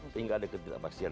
sehingga ada ketidakpastian